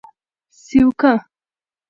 سیوکه: